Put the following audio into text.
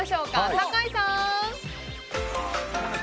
酒井さん。